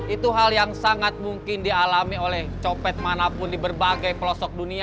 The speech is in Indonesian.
itu hal yang sangat mungkin dialami oleh copet manapun di berbagai pelosok dunia